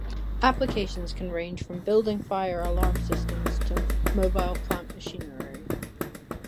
Applications can range from building fire alarm systems to mobile plant machinery.